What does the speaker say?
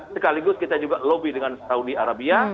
sekaligus kita juga lobby dengan saudi arabia